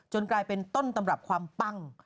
กลายเป็นต้นตำรับความปั้ง